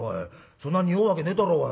そんな臭うわけねえだろうが。